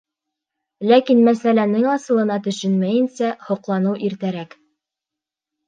Ләкин мәсьәләнең асылына төшөнмәйенсә һоҡланыу иртәрәк.